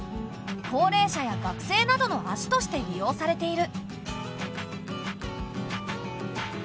高齢者や学生などの足として利用されている。